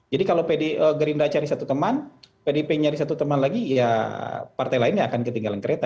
jadi kalau gerinda cari satu teman pdip nyari satu teman lagi ya partai lainnya akan ketinggalan kereta